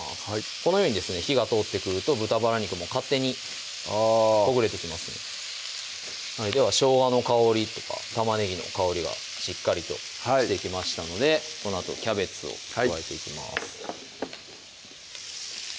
このようにですね火が通ってくると豚バラ肉も勝手にほぐれてきますではしょうがの香りとか玉ねぎの香りがしっかりとしてきましたのでこのあとキャベツを加えていきます